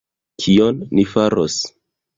Kion ni faros?!